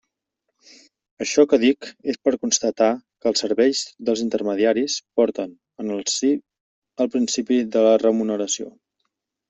Això que dic és per constatar que els serveis dels intermediaris porten en si el principi de la remuneració.